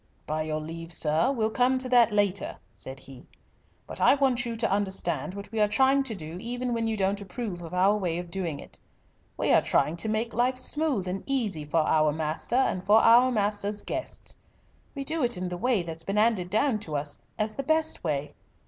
"By your leave, sir, we'll come to that later," said he. "But I want you to understand what we are trying to do even when you don't approve of our way of doing it. We are trying to make life smooth and easy for our master and for our master's guests. We do it in the way that's been 'anded down to us as the best way.